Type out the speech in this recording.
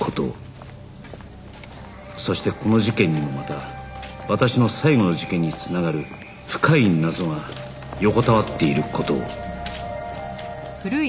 そしてこの事件にもまた私の最後の事件に繋がる深い謎が横たわっている事を